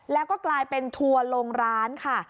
แล้วก็กลายเป็นทัวร์ลงร้านค่ะ